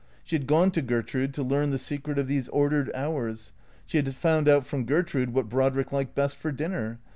She had gone to Gertrude to learn the secret of these ordered hours. She had found out from Gertrude what Brodrick liked best for dinner.